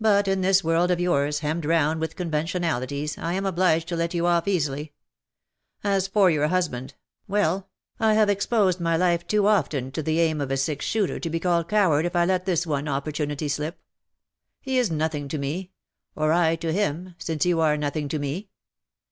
But in this world of yours, hemmed round with conventionalities, I am obliged to let you oflP easily. As for your husband — well, I have exposed my life too often to the aim 285 of a six shooter to be called coward if I let this one opportunity slip. He is nothing to me — or I to him — since you are nothing to me.